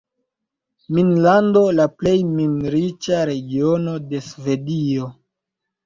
"Minlando", la plej min-riĉa regiono de Svedio.